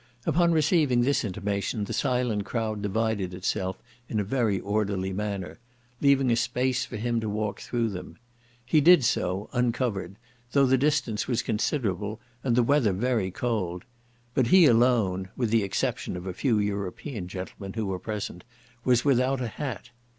Upon receiving this intimation the silent crowd divided itself in a very orderly manner, leaving a space for him to walk through them. He did so, uncovered, though the distance was considerable, and the weather very cold; but he alone (with the exception of a few European gentlemen who were present) was without a hat.